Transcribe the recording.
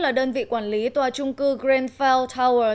là đơn vị quản lý tòa trung cư grenfell